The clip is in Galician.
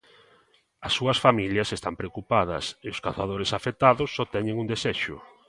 As súas familias están preocupadas e os cazadores afectados só teñen un desexo.